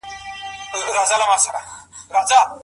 چا خوله وازه په حیرت پورته کتله